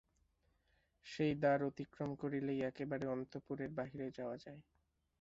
সেই দ্বার অতিক্রম করিলেই একেবারে অন্তঃপুরের বাহিরে যাওয়া যায়।